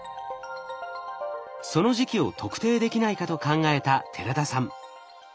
その時期を特定できないかと考えた寺田さん。